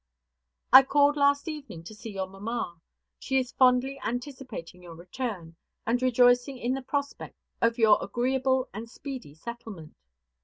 I called last evening to see your mamma. She is fondly anticipating your return, and rejoicing in the prospect of your agreeable and speedy settlement.